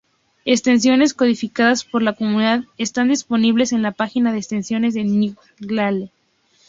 Extensiones codificadas por la comunidad están disponibles en la página de extensiones de Nightingale.